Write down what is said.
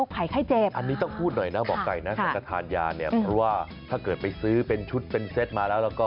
เพราะว่าถ้าเกิดไปซื้อเป็นชุดเป็นเซ็ตมาแล้ว